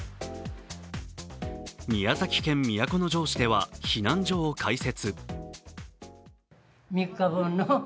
宮崎県都城市では避難所を開設。